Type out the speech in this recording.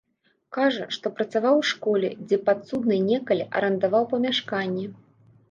Кажа, што працаваў у школе, дзе падсудны некалі арандаваў памяшканне.